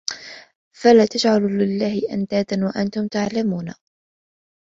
فَلَا تَجْعَلُوا لِلَّهِ أَنْدَادًا وَأَنْتُمْ تَعْلَمُونَ